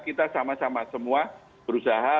kita sama sama semua berusaha